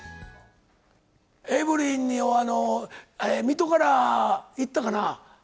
エブリィに水卜からいったかな？